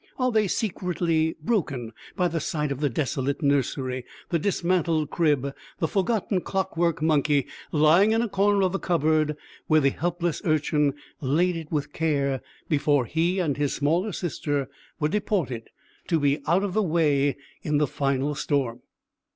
Are they secretly broken by the sight of the desolate nursery, the dismantled crib, the forgotten clockwork monkey lying in a corner of the cupboard where the helpless Urchin laid it with care before he and his smaller sister were deported, to be out of the way in the final storm?